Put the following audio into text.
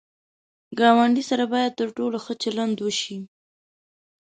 ګاونډي سره باید تر ټولو ښه چلند وشي